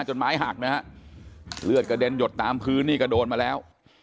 ไม้หักนะฮะเลือดกระเด็นหยดตามพื้นนี่ก็โดนมาแล้ว